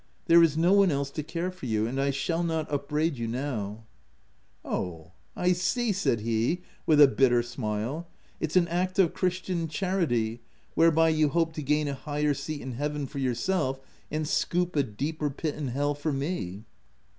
There is no one else to care for you; and I* shall not upbraid you now/' " Oh ! I see," said he with a bitter smile, " it's an act of christian charity, whereby you hope to gain a higher seat in Heaven for your self, and scoop a deeper pit in hell for me.'